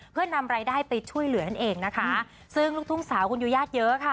เพื่อนำรายได้ไปช่วยเหลือนั่นเองนะคะซึ่งลูกทุ่งสาวคุณยุญาติเยอะค่ะ